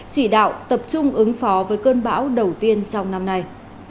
chỉ đạo tập trung ứng phó với cơn bão đầu tiên trong năm nay